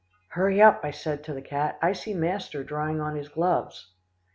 "Hurry up," I said to the cat, "I see master drawing on his gloves."